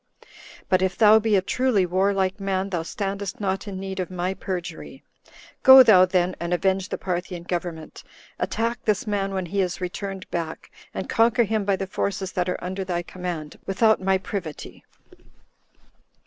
But if thou be a truly warlike man, thou standest not in need of my perjury. Go thou then, and avenge the Parthian government; attack this man, when he is returned back, and conquer him by the forces that are under thy command, without my privity."